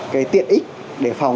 cái tiện ích để phòng